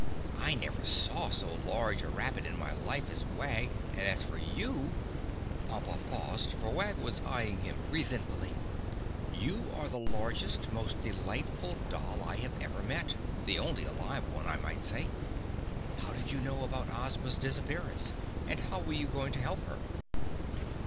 I never saw so large a rabbit in my life as Wag and as for you!"—Pompa paused, for Wag was eying him resentfully—"you are the largest, most delightful doll I have ever met, the only alive one, I might say. How did you know about Ozma's disappearance and how were you going to help her?"